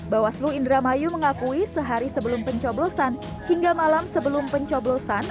bawaslu indramayu mengakui sehari sebelum pencoblosan hingga malam sebelum pencoblosan